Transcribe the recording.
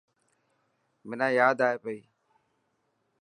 منا ياد ائي پئي.